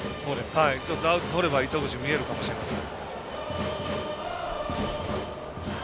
１つアウトをとれば糸口が見えるかもしれません。